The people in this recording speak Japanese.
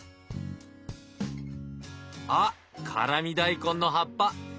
あっ辛味大根の葉っぱ。